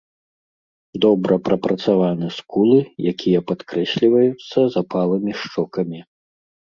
Добра прапрацаваны скулы, якія падкрэсліваюцца запалымі шчокамі.